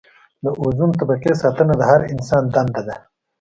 د اوزون طبقې ساتنه د هر انسان دنده ده.